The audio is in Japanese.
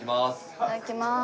いただきます。